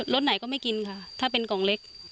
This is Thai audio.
สไหนก็ไม่กินค่ะถ้าเป็นกล่องเล็ก